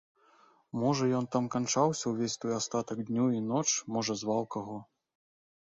Можа ён там канчаўся ўвесь той астатак дню і ноч, можа зваў каго.